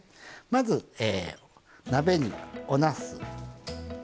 まず鍋におなす。